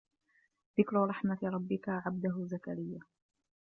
ذِكْرُ رَحْمَتِ رَبِّكَ عَبْدَهُ زَكَرِيَّا